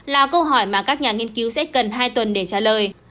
là câu hỏi mà các nhà nghiên cứu sẽ cần hai tuần để trả lời